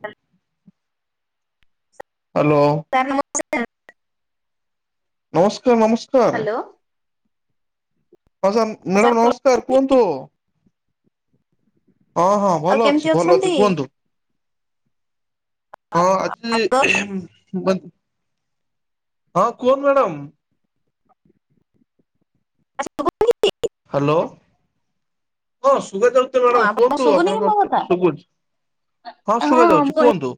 ହେଲ୍ hello. କାରଣ ମୋ ସେ ନମସ୍କାର ନମସ୍ ହ୍ୟାଲୋ। ହଁ ସାର୍ ମ୍ୟାଡ଼ାମ ନମସ୍କାର କୁହନ୍ତୁ ହଁ ହଁ। ଆଉ ଭଲ କେମିତି ଅଛି ଭଲ ଅଛନ୍ତି? ଅଛି କୁହନ୍ତୁ? ହଁ ଆଜି। ହଁ କୁହନ୍ତୁ ମ୍ୟାଡ଼ାମ? ଆପଣଙ୍କୁ ହ୍ୟାଲୋ ହଁ ସୁବାଜାଉ ତେ ମ୍ୟାଡ଼ାମ କୁହନ୍ତୁ ଶୁଭୁନି କି ମୋ ଆପଣଙ୍କ କଥା? ସୁବୁଚି ହଁ ସୁବାଜାଉଛି କୁହନ୍ତୁ।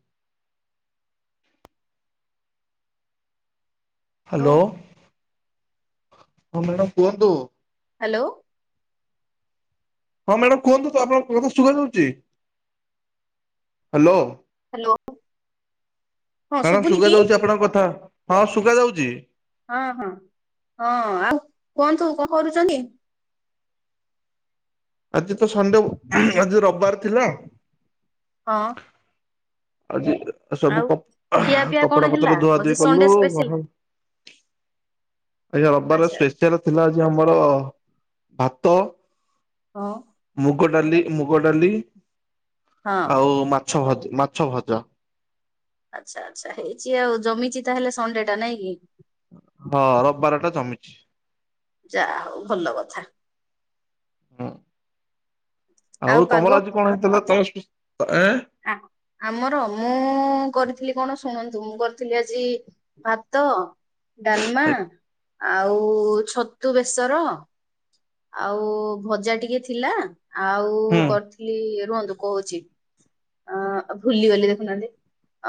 ହ୍ୟାଲୋ ହଁ ମ୍ୟାଡ଼ାମ୍ କୁହନ୍ତୁ? ହ୍ୟାଲୋ। ହଁ ମ୍ୟାଡ଼ାମ୍ କୁହନ୍ତୁ ତ ଆପଣଙ୍କ କଥା ସୁବାଯାଉଛି ହ୍ୟାଲୋ। ହଁ ମ୍ୟାଡାମ ଶୁଭୁନି ଶୁବା କି? ଯାଉଛି ଆପଣଙ୍କ କଥା ହଁ ଶୁଗା ଯାଉଛି। ହଁ ହଁ ହଁ ଆଉ କୁହନ୍ତୁ କଣ କରୁଛନ୍ତି। ଆଜି ତ ସଣ୍ଡେ ଆଜି ରବିବାର ଥିଲା। ହଁ। ଆଜି ସବୁ ଆଉ କପ ଖିଆ ପିଆ କଣ କପଡ଼ା ହେଲା ପତର ଧୁଆ ବୋଧେ ଧୁଇ କଲୁ ସଣ୍ଡେ ସ୍ପେସିଆଲ ଘର ଆଜି ରବିବାର ଆଚ୍ଛା ସ୍ପେଶିଆଲ ଥିଲା ଆଜି ଆମର ଭାତ ହଁ। ମୁଗ ଡାଲି ମୁଗ ଡାଲି ହଁ। ଆଉ ମାଛ ଭଜ୍ ମାଛ ଭଜା। ଆଚ୍ଛା ଆଚ୍ଛା ହେଇଛି ଆଉ ଜମିଛି ତାହେଲେ ସଣ୍ଡେ ଟା ନାଇଁ କି? ହଁ ରବିବାର ଟା ଜମିଛି। ଯାହା ହଉ ଭଲ କଥା। ହୁଁ ଆଉ ତମର ଆଜି କଣ ହେଇଥିଲା [unintelligible] ଆ ଆମର ମୁଁ କରିଥିଲି କଣ ଶୁଣନ୍ତୁ ମୁଁ କରିଥିଲି ଆଜି ଭାତ ଡାଲମା ଆଉ ଛତୁ ବେସର ଆଉ ଭଜା ଟିକେ ଥିଲା। ଆଉ ହୁଁ କରିଥିଲି ରୁହନ୍ତୁ କହୁଛି ଅ ଭୁଲିଗଲି ଦେଖୁନାହାନ୍ତି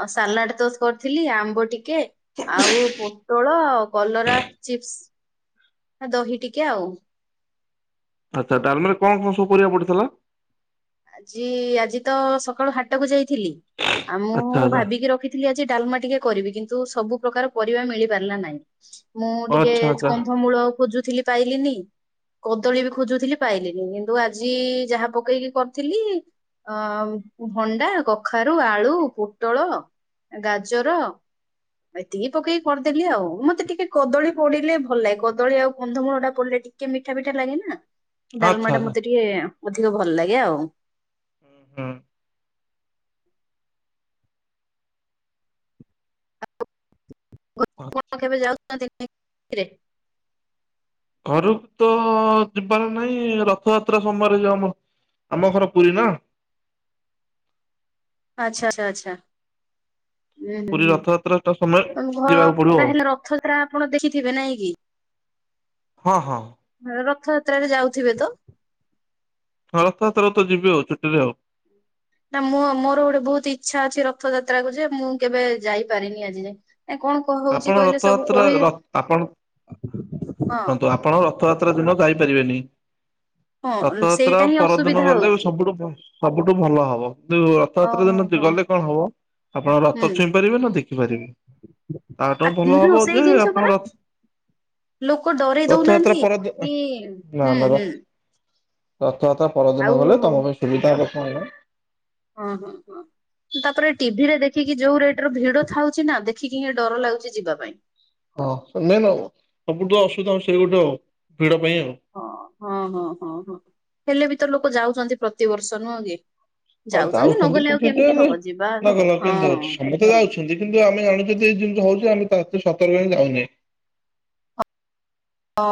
ଆଉ ସାଲାଡ୍ ତୋଷ କରିଥିଲି ଆମ୍ବ ଟି କେ ଆଉ ପୋଟଳ କଲରା ଚିପ୍ସ। ଆ ଦହି ଟିକେ ଆଉ। ଆଚ୍ଛା ଡାଲମାରେ କଣ କଣ ସବୁ ପରିବା ପଡ଼ିଥିଲା? ଆଜି ଆଜି ତ ସକାଳୁ ହାଟକୁ ଯାଇଥିଲି ଆଉ ଆଚ୍ଛା ମୁଁ ଆଚ୍ଛା ଭାବିକି ରଖି ଥିଲି ଆଜି ଡାଲମା ଟିକେ କରିବି କିନ୍ତୁ ସବୁ ପ୍ରକାର ପରିବା ମିଳି ପାରିଲା ନାହିଁ। ମୁଁ ଆଚ୍ଛା ଟିକେଜ୍ ଆଚ୍ଛା କନ୍ଧମୂଳ ଖୋଜୁଥିଲି। ପାଇଲିନି କଦଳୀ ବି ଖୋଜୁଥିଲି ପାଇଲିନି କିନ୍ତୁ ଆଜି ଯାହା ପକେଇକି କର ଥିଲି ଅ ଭଣ୍ଡା କଖାରୁ ଆଳୁ ପୋଟଳ ଗାଜର। ଏତିକି ପକେଇକି କରିଦେଲି ଆଉ ମତେ ଟିକେ କଦଳୀ ପଡ଼ିଲେ ଭଲ ଲାଗେ କଦଳୀ ଆଉ କନ୍ଧମୂଳ ଟା ପଡ଼ିଲେ ଟି କେ ମିଠା ବିଠା ଲାଗେ ନା ଆଚ୍ଛା ଡାଲମା ଟା ଆଚ୍ଛା ମତେ ଟିକେ ଅଧିକ ଭଲ ଲାଗେ ଆଉ। ହୁଁ ହୁଁ। କଣ କେବେ ଯାଉଛନ୍ତି [unintelligible] ଘରୁକୁ ତ ଯିବାର ନାହିଁ ରଥଯାତ୍ରା ସମୟରେ ଯାହା ଆମ ଆମ ଘର ପୁରୀ ନାଁ। ଆଚ୍ଛା ଆଛା ଆଚ୍ଛା। ଉୁଁ ହୁଁ ପୁରୀ ହୁଁ ରଥଯାତ୍ରା ଟା ସମୟ ତମ ଘର ଯିବାକୁ ପଡିବ ଆଉ ତାହେଲେ ରଥଯାତ୍ରା ଆପଣ ଦେଖିଥିବେ ନାଇଁ କି? ହ [unintelligible] ହଁ ହଁ। [unintelligible] ରଥଯାତ୍ରାରେ ଯାଉଥିବେ ତ? ହଁ ରଥଯାତ୍ରା କୁ ତ ଯିବି ଆଉ ଛୁଟି ରେ ଆଉ ନା ମୁଁ ମୋର ଗୋଟେ ବହୁତ ଇଚ୍ଛା ଅଛି ରଥଯାତ୍ରା କୁ ଯେ ମୁଁ କେବେ ଯାଇପାରିନି ଆଜି ଯାଏ। ଏ କଣ? କଣ ହଉଛି ଆପଣ କହିଲେ ସବୁ ରଥଯାତ୍ରା କହି ର ଆପଣ [unintelligible] ତ ରଥଯାତ୍ରା ଦିନ ଯାଇ ପାରିବେନି। ହଁ ହଁ ରଥଯାତ୍ରା ସେଇଟା ହିଁ ପରଦିନ ଅସୁବିଧା ଗଲେ ହଉଛି। ସବୁଠୁ ସବୁଠୁ ଭଲ ହବ। ଯୋଉ ରଥଯାତ୍ରା ଓହୋ ଦିନ ତିି ହଁ ଗଲେ କଣ ହବ ଆପଣ ହୁଁ। ରଥ ଛୁଇଁ ପାରିବେ ନା ଦେଖିପାରିବେ। ଆ ତାଠଉଁ ଭଲ ହଁ ହବ ସେଇ ଯେ ଜିନିଷ ଆପଣ ପରା ରଥ୍ ଲୋକ ଡରେଇ ଦଉନାହାନ୍ତି ରଥଯାତ୍ରା ପର କି ହୁଁ ହୁଁ [unintelligible] ରଥଯାତ୍ରା ଆଉ ପରଦିନ ଗଲେ ତମ ପାଇଁ ସୁବିଧା ହବ [inaudible] ହଁ ହଁ ହଁ। ତାପରେ ଟିଭି ରେ ଦେଖିକି ଯୋଉ ରେଟ ର ଭିଡ ଥାଉଛି ନା ଦେଖିକି ହିଁ ଡର ଲାଗୁଚି ଯିବା ପାଇଁ। ହଁ ନାଇଁ ନ ସବୁଠ ଅସୁବିଧା ହଉଛି ସେଇ ଗୋଟେ ଭିଡ ପାଇଁ ଆଉ। ହଁ ହଁ ହଁ ହଁ ହଁ ହେଲେ ବି ତ ଲୋକ ଯାଉଛନ୍ତି ପ୍ରତିିବର୍ଷ ନୁହଁ କି। ହଁ ଯାଉଛନ୍ତି ନଗଲେ ଆଉ [unintelligible] କେମିତି ହବ ଯିବା ହଁ। ଯାଉଛନ୍ତି କିନ୍ତୁ ଆମେ ଜାଣଛନ୍ତି ଏଇ ଜିନିଷ ହଉଛି ଆମେ ତା ଥେ ସତର୍କ ହିଁ ଯାଉନାହିଁ। ହଁ।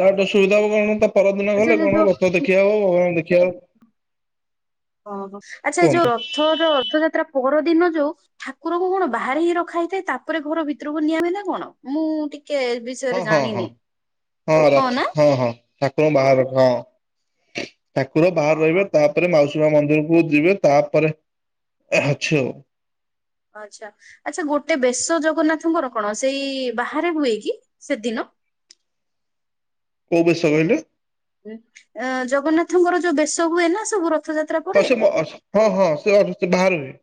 ତା ଗୋ ସୁବିଧା ହବ କଣ ତା ପରଦିନ ଆଚ୍ଛା ଗଲେ ସେ କଣ ଯୋଉ ହବ ରଥ ଦେଖି ହବ ଭଗବାନ ଦେଖିଆ ଓହୋ ଆଚ୍ଛା ଏଇ ଯୋଉ କୁହନ୍ତୁ। ରଥର ରର୍ଥଯାତ୍ରା ପରଦିନ ଯୋଉ ଠାକୁରଙ୍କୁ କଣ ବାହାରେ ହିଁ ରଖା ହେଇଥାଏ ତାପରେ ଘର ଭିତରକୁ ନିଆହୁଏ ନା କଣ ମୁଁ ଟିକେ ହଁ ବିଷୟରେ ହଁ ହଁ ଜାଣିନି। ହଁ ରଥ ହଁ ହଁ। ଠାକୁର ବାହାରେ ରଖ ହଁ ଠାକୁର ଓହୋ ବାହାରେ ହୋ ରହିବେ ତା ତାରେ ମାଉସୀ ମା ମନ୍ଦିରକୁ ଯିବେ ତାପରେ ଆଛ ଆଚ୍ଛା ଆଚ୍ଛା ଗୋଟେ ବେଶ ଜଗନ୍ନାଥଙ୍କର କଣ ସେଇ ବାହାରେ ହୁଏ କି ସେଦିନ? କୋଉ ବେଶ କହିଲେ? ଏଁ ଜଗନ୍ନାଥଙ୍କର ଯୋଉ ବେଶ ହୁଏ ନା ସବୁ ର ହଁ ସେ ହଁ ହଁ ସେ [unintelligible]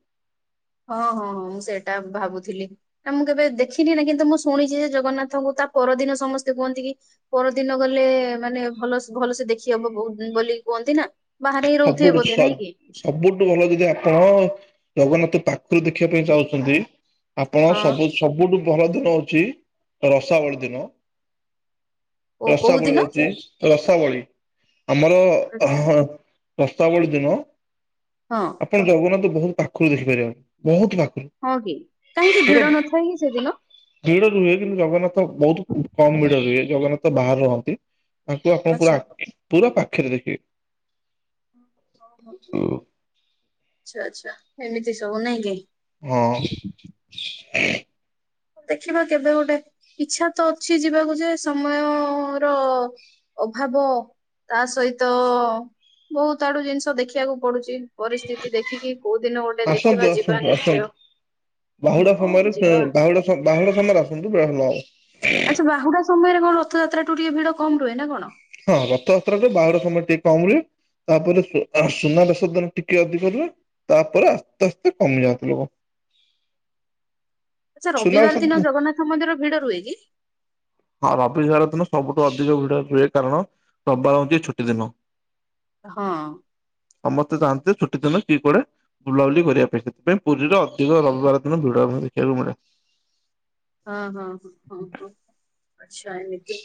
ହଁ ହଁ ମୁଁ ସେଟା ଭାବୁଥିଲି। ନା ମୁଁ କେବେ ଦେଖିନି ନା କିନ୍ତୁ ମୁଁ ଶୁଣିଚି ଯେ ଜଗନ୍ନାଥଙ୍କୁ ତା ପରଦିନ ସମସ୍ତେ କୁହନ୍ତି କି ପରଦିନ ଗଲେ ମାନେ ଭଲ ଭଲସେ ଦେଖି ହବ ବହୁ ବୋଲି କୁହନ୍ତି ନା। ବାହାରେ [unintelligible] ହିଁ ରହୁଥିବେ ବୋଧେ ନାଇଁ କି ସବୁଠୁ ଭଲ ଯଦି ଆପଣ ଜଗନ୍ନାଥ ପାଖୁରୁ ଦେଖିବା ପାଇଁ ଚାହୁଁଛନ୍ତି ଆପଣ ହଁ ସବୁ ସବୁଠୁ ଭଲ ଦିନ ହଉଛି ରସାବଳୀ ଦିନ। ଓ କୋଉ ଦିନ ରସାବଳି ହଉଛି ରସାବଳି ଆମର ଆଚ୍ଛା ହଁ ରସାବଳି ଦିନ ହଁ। ଆପଣ ଜଗନ୍ନାଥ ବହୁତ ପାଖରୁ ଦେଖିପାରିବ ବହୁତ ପାଖରୁ। ହଁ କି କାହିଁକି ପୁରା ଭିଡ ନଥାଏ କି ସେଦିନ? ଭିଡ ରୁହେ କିନ୍ତୁ ଜଗନ୍ନାଥ ବହୁତ କମ ଭିଡ ରୁହେ ଜଗନ୍ନାଥ ବାହାରେ ରହନ୍ତି। ତାଙ୍କୁ ଆପଣ ଆଚ୍ଛା। ପୁରା ପୁରା ପାଖେରେ ଦେଖିବେ। ଓ ହୋ ଆଛା ଆଚ୍ଛା ଏମିତି ସବୁ ନାଇଁ କି। ହଁ। ଦେଖିବା କେବେ ଗୋଟେ ଇଛା ତ ଅଛି ଯିବାକୁ ଯେ ସମୟ ର ଅଭାବ ତା ସହିତ ବହୁତ ଆଡୁ ଜିନିଷ ଦେଖିବାକୁ ପଡୁଚି। ପରିସ୍ଥିତି ଦେଖିକି କୋଉ ଦିନ ଗୋଟେ ଆସନ୍ତୁ ଦେଖିବା ଯିବା ଆସନ୍ତୁ ନିଶ୍ଚୟ। ଆସନ୍ତୁ ବାହୁଡା ହଁ ସମୟରେ ଯିବା ବାହୁଡା ସ ବାହୁଡା ସମୟରେ ଆସନ୍ତୁ [unintelligible] ଆଚ୍ଛା ବାହୁଡା ସମୟରେ କଣ ରଥଯାତ୍ରାଠୁ ଟିକେ ଭିଡ଼ କମ ରୁହେ ନା କଣ? ହଁ ରଥଯାତ୍ରା ଠୁ ବାହୁ଼ଡା ସମୟ ରେ ଟିକେ କମ ହୁଏ। ତାପରେ ସୁନାବେଶ ଦିନ ଟିକେ ଅଧିକ ରୁହେ। ତାପରେ ଆସ୍ତେ ଆସ୍ତେ କମି ଯାଆନ୍ତି ଲୋକ। ଆଛା ରବିବାର ସୁନାବେଶ ଦିନ ଜଗନ୍ନାଥ ମନ୍ଦିର ଭିଡ ରୁହେ କି? ହଁ ରବିବାର ଦିନ ସବୁଠୁ ଅଧିକ ଭିଡ ହୁଏ କାରଣ ରବିବାର ହଉଚି ଛୁଟି ଦିନ। ହଁ। ସମସ୍ତେ ଚାହାନ୍ତି ଛୁଟି ଦିନ କିଏ କୁଆଡ଼େ ବୁଲାବୁଲି କରିବା ପାଇଁ ସେଥିପାଇଁ ପୁରୀରେ ଅଧିକ ରବିବାର ଦିନ ଭିଡ ଆମକୁ ଦେଖିବାକୁ ମିଳେ। ହଁ ହଁ ହଁ ହଁ ହଁ ଆଚ୍ଛା ଏମିତି।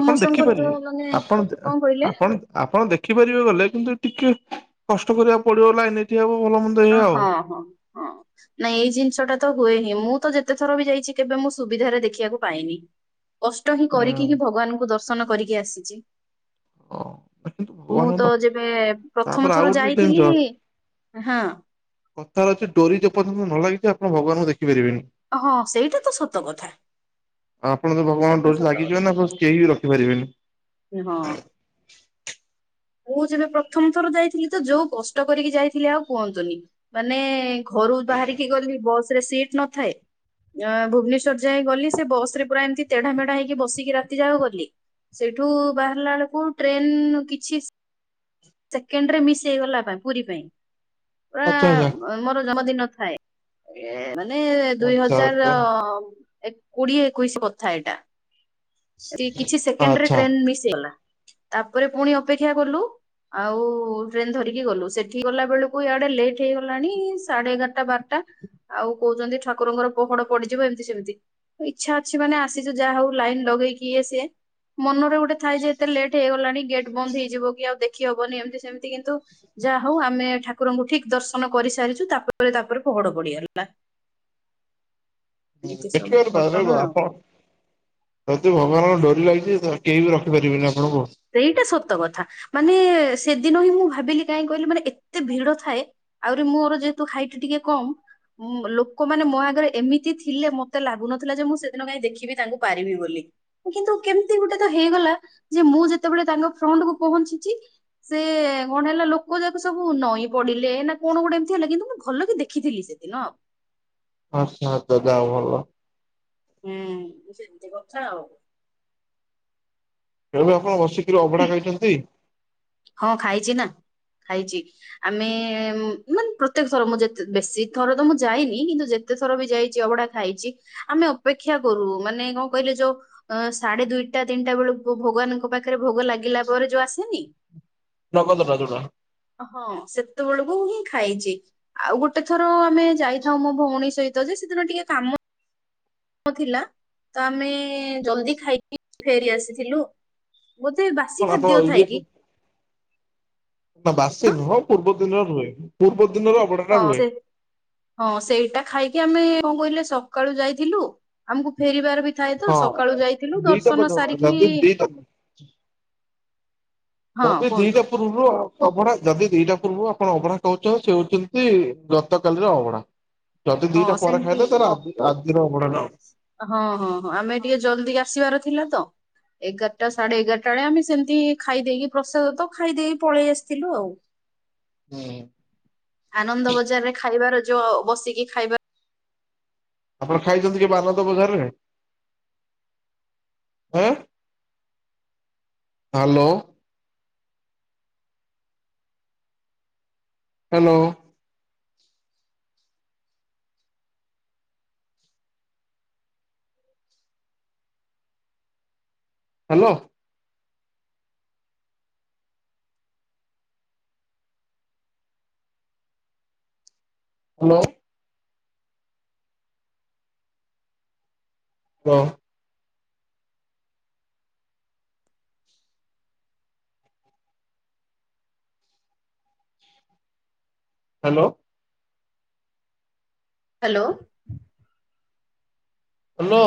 ଆପଣ ଦେଖିପାରିବେ ତ ମାନେ ଆପଣ କଣ କହିଲେ? ଆପଣ ଆପଣ ଦେଖିପାରିବେ ଗଲେ କିନ୍ତୁ ଟିକେ କଷ୍ଟ କରିବାକୁ ପଡିବ ଲାଇନରେ ଠିଆ ହବା ଭଲ ମନ୍ଦ ଏଇଆ ଆଉ। ହଁ ହଁ ହଁ ନାଇଁ ଏଇ ଜିନିଷ ଟା ତ ହୁଏ ହିଁ ମୁଁ ତ ଯେତେ ଥର ବି ଯାଇଛି କେବେ ମୁଁ ସୁବିଧାରେ ଦେଖିବାକୁ ପାଇନି। କଷ୍ଟ ହିଁ ହୁଁ। କରିକି ହିଁ ଭଗବାନଙ୍କୁ ଦର୍ଶନ କରିକି ଆସିଛି। ହଁ କିନ୍ତୁ ମୁଁ ଭଗବାନଙ୍କୁ ତ ଯେବେ ପ୍ରଥମ ତାପରେ ଆଉ ଥର ଗୋଟେ ବି ଜିନିଷ ଯାଇଥିଲି, ହଁ କଥାରେ ଅଛି ଡୋରି ଯେ ପର୍ଯ୍ୟନ୍ତ ନ ଲାଗିଛି ଆପଣ ଭଗବାନଙ୍କୁ ଦେଖିପାରିବେନି। ହଁ ସେଇଟା ତ ସତ କଥା। ଆପଣ ତ ଭଗବାନଙ୍କ ସେଇଟା ଡୋରି ସତ ଲାଗିଯିବ କଥା ନା ବ କେହି ବି ରଖିପାରିବେନି। ହଁ। ମୁଁ ଯେବେ ପ୍ରଥମ ଥର ଯାଇଥିଲି ତ ଯୋଉ କଷ୍ଟ କରିକି ଯାଇଥିଲି ଆଉ କୁହନ୍ତୁନି। ମାନେ ଘରୁ ବାହାରିକି ଗଲି ବସ ରେ ସିଟ ନଥାଏ। ଅ ଭୁବନେଶ୍ୱର ଯାଏ ଗଲି ସେ ବସ ରେ ପୁରା ଏମିତି ତେଢା ମେଢା ହେଇକି ବସିକି ରାତି ଯାକ ଗଲି। ସେଇଠୁ ବାହାରିଲା ବେଳକୁ ଟ୍ରେନ କିଛି ସେକେଣ୍ଡରେ ମିଶ ହେଇଗଲା ପୁରୀ ପାଇଁ ପୁରା, ଆଚ୍ଛା ଆଚ୍ଛା ପା ମୋର ଜନ୍ମଦିନ ଥାଏ। ଏ ମାନେ ଦୁଇ ଆଚ୍ଛା ହଜାର ଆଚ୍ଛା। କୋଡିଏ ଏକୋଇଶ କଥା ଏଇଟା। କିଛି ସେକେଣ୍ଡରେ ଆଚ୍ଛା ଟ୍ରେନ ମିସ୍ ହେଇଗଲା ତାପରେ ପୁଣି ଅପେକ୍ଷା କଲୁ। ଆଉ ଟ୍ରେନ ଧରିକି ଗଲୁ ସେଠିକି ଗଲା ବେଳକୁ ଇଆଡେ ଲେଟ୍ ହେଇଗଲାଣି ସାଢେ ଏଗାରଟା ବାରଟା। ଆଉ କହୁଛନ୍ତି ଠାକୁରଙ୍କର ପହଡ ପଡିଯିବ ଏମିତି ସେମିତି। ଇଚ୍ଛା ଅଛି ମାନେ ଆସିଛୁ ଯାହା ହଉ ଲାଇନ ଲଗେଇକି ଇଏ ସିଏ। ମନରେ ଗୋଟେ ଥାଏ ଯେ ଏତେ ଲେଟ୍ ହେଇଗଲାଣି ଗେଟ୍ ବନ୍ଦ ହେଇଯିବ କି ଆଉ ଦେଖି ହବନି ଏମତି ସେମିତି କିନ୍ତୁ ଯାହା ହଉ ଆମେ ଠାକୁରଙ୍କୁ ଠିକ ଦର୍ଶନ କରିସାରିଛୁ ତାପରେ ତାପରେ ପହଡ ପଡିଗଲା। [unintelligible] ହଁ ଏମିତି ସବୁ ଦେଖିବାରେ ଘଟଣା ବାରଣ ଆଉ। ଆପ ଯଦି ଭଗବାନଙ୍କ ଡୋରି ଲାଗିଛି କେହି ବି ରଖିପାରିବନି ଆପଣଙ୍କୁ। ସେଇଟା ସତ କଥା ମାନେ ସେଦିନ ହିଁ ମୁଁ ଭାବିଲି କାହିଁ କହିଲି ମାନେ ଏତେ ଭିଡ ଥାଏ। ଆହୁରି ମୋର ଯେହେତୁ ହାଇଟ୍ ଟିକେ କମ। ଲୋକମାନେ ମୋ ଆଗରେ ଏମିତି ଥିଲେ ମତେ ଲାଗୁନଥିଲା ଯେ ମୁଁ ସେଦିନ କାଇଁ ଦେଖିବି ତାଙ୍କୁ ପାରିବି ବୋଲି। କିନ୍ତୁ କେମିତି ଗୋଟେ ତ ହେଇଗଲା ଯେ ମୁଁ ଯେତେବେଳେ ତାଙ୍କ ଫ୍ରଣ୍ଟ କୁ ପହଞ୍ଚିଛି। ସେ କଣ ହେଲା ଲୋକ ଯାକ ସବୁ ନଈଁ ପଡିଲେ ନା କଣ ଗୋଟେ ଏମିତି ହେଲା କିନ୍ତୁ ମୁଁ ଭଲ କି ଦେଖ ଖିଥିଲି ସେଦିନ। ଆଛ ତ ଯାଅ ଭଲ [unintelligible] ହୁଁ ସେମିତି କଥା ଆଉ। ତେଣୁ ଆପଣ ବସିକିରି ଅଭଢା ଖାଇଛନ୍ତି। ହଁ ଖାଇଛି ନା ଖାଇଛି। ଆମେ ମାନେ ପ୍ରତ୍ୟେକ ଥର ମୁଁ ଯେତ ବେଶୀ ଥର ତ ମୁଁ ଯାଇନି କିନ୍ତୁ ଯେ ତେଥର ବି ଯାଇଛି ଅଭଡା ଖାଇଛି ଆମେ ଅପେକ୍ଷା କରୁ ମାନେ କଣ କହିଲେ ଯୋଉ ଅ ସାଢେ ଦୁଇଟା ତିନିଟା ବେଳକୁ ଭଗବାନଙ୍କ ପାଖରେ ଭୋଗ ଲାଗିଲା ପରେ ଯୋଉ ଆସେନି ନଗଦ ଟା ଯୋଉଟା। ହଁ ସେତେବେଳକୁ ହିଁ ଖାଇଛି। ଆଉ ଗୋଟେ ଥର ଆମେ ଯାଇଥାଉ ମୋ ଭଉଣୀ ସହିତ ଯେ ସେଦିନ ଟିକେ କାମ ଥିଲା ତ ଆମେ ଜଲଦି ଖାଇକି ଫେରି ଆସିଥିଲୁ। ବୋଧେ ବା [unintelligible] ନା ବାସି ନୁହଁ ପୂର୍ବ ଦିନରେ ରୁହେ ପୂର୍ବ ଦିନର ଅବଢା ଟା ହଁ ରୁହେ। ସେ ହଁ ସେଇଟା ଖାଇକି ଆମେ କଣ କହିଲେ ସକାଳୁ ଯାଇଥିଲୁ ଆମକୁ ଫେରିବାର ବି ଥାଏ ତ ହଁ ସକାଳୁ ଯାଇଥିଲୁ ଦିଟା ଦର୍ଶନ ପର୍ଯ୍ୟନ୍ତ ସାରିକି ଯଦି ଦିଟା ହଁ ଜଦି ଦିନ କୁହନ୍ତୁ [unintelligible] ରୁ ପୂର୍ବ ରୁ ଅଭଢା ଯଦି ଦିଟା ପୂର୍ବରୁ ଆପଣ ଅଭଢା କହୁଛନ୍ତି ସେ ହଉଛନ୍ତି ଗତକାଲିର ଅଭଢା। ଯଦି ହଁ ଦିଟା ପରେ ସେମିତି ଖାଇଲ ତାହେଲେ ଆଜିର ଅଭଡା [unintelligible] ହଁ ହଁ ହଁ ଆମେ ଟିକେ ଜଲଦି ଆସିବାର ଥିଲା ତ ଏଗାରଟା ସାଢେ ଏଗାର ସେତେବେଳେ ଆମେ ସେମିତି ଖାଇ ଦେଇେଇକି ପ୍ରସାଦ ତ ଖାଇଦେଇକି ପଳେଇ ଆସିଥିଲୁ ଆଉ। ହୁଁ। ଆନନ୍ଦ ବଜାରରେ ଖାଇବାର ଯୋଉ ବସିକି ଖାଇବା ଆପଣ ଖାଇଛନ୍ତି କି ଆନନ୍ଦ ବଜାରରେ? ଅ hello. Hello. Hello. Hello. Hello. Hello. Hello. Hello.